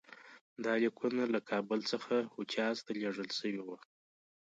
دا لیکونه له کابل څخه حجاز ته لېږل شوي وو.